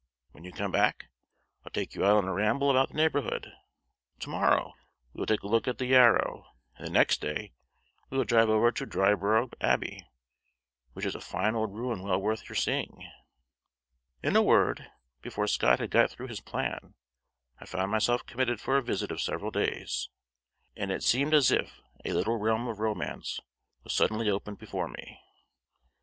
When you come back, I'll take you out on a ramble about the neighborhood. To morrow we will take a look at the Yarrow, and the next day we will drive over to Dryburgh Abbey, which is a fine old ruin well worth your seeing" in a word, before Scott had got through his plan, I found myself committed for a visit of several days, and it seemed as if a little realm of romance was suddenly opened before me.